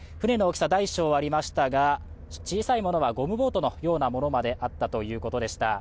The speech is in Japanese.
大小ありましたが小さいものはゴムボートのようなものまであったといいます。